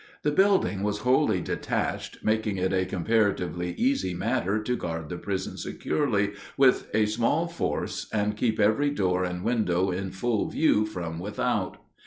The building was wholly detached, making it a comparatively easy matter to guard the prison securely with a small force and keep every door and window in full view from without.